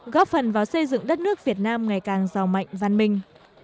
góp phần vào xây dựng đất nước việt nam ngày càng giàu mạnh văn minh